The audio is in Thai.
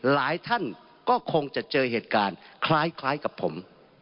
หลายท่านก็คงจะเจอเหตุการณ์คล้ายกับผม